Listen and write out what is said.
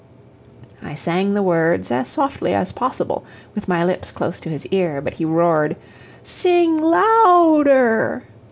I sang the words as softly as possible with my lips close to his ear, but he roared: "Sing louder."